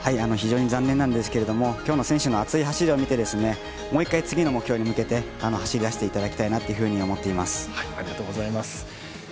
非常に残念なんですけどきょうの選手の熱い走りを見てもう１回、次の目標に向けて走り出していただきたいなと思っています。